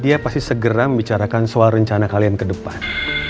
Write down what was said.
dia pasti segera membicarakan soal rencana kalian ke depan